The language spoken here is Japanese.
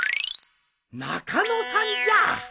中野さんじゃ！